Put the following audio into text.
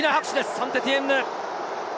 サンテティエンヌ。